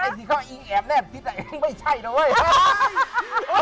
ไอ้ที่เขาอี้แอบแนบที่แต่งไม่ใช่นะเว้ย